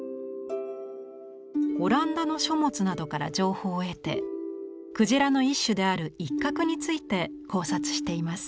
オランダの書物などから情報を得てクジラの一種であるイッカクについて考察しています。